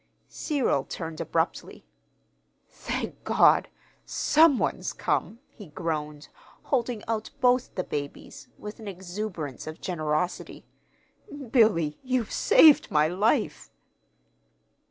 Cyril turned abruptly. "Thank God, some one's come," he groaned, holding out both the babies, with an exuberance of generosity. "Billy, you've saved my life!"